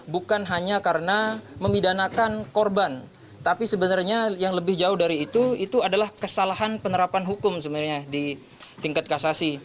bukan hanya karena memidanakan korban tapi sebenarnya yang lebih jauh dari itu itu adalah kesalahan penerapan hukum sebenarnya di tingkat kasasi